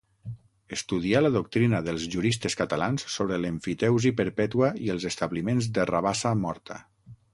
Estudià la doctrina dels juristes catalans sobre l'emfiteusi perpètua i els establiments de rabassa morta.